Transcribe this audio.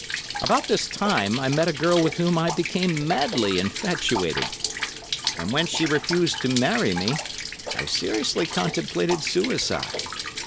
About this time I met a girl with whom I became madly infatuated, and when she refused to marry me, I seriously contemplated suicide.